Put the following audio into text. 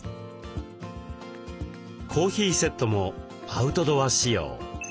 コーヒーセットもアウトドア仕様。